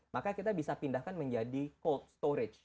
maka kita bisa pindahkan menjadi cold storage